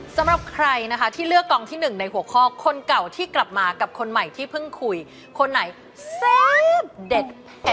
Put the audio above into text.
สำหรับใครนะคะที่เลือกกองที่๑ในหัวข้อคนเก่าที่กลับมากับคนใหม่ที่เพิ่งคุยคนไหนแซ่บเด็ด